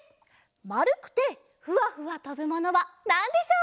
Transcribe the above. まるくてふわふわとぶものはなんでしょう？